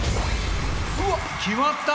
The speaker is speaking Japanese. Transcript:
うわっ決まった！